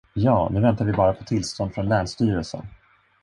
Ja, nu väntar vi bara på tillstånd från länsstyrelsen.